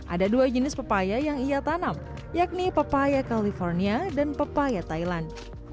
ada dua jenis papaya yang ia tanam yakni papaya california dan papaya thailand